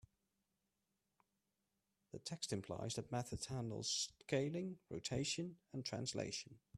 The text implies that method handles scaling, rotation, and translation.